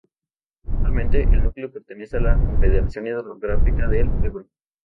Actualmente, el núcleo pertenece a la Confederación Hidrográfica del Ebro.